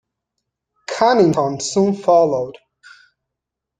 Cunnington soon followed.